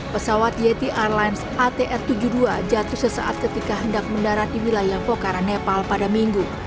pesawat yeti airlines atr tujuh puluh dua jatuh sesaat ketika hendak mendarat di wilayah pokhara nepal pada minggu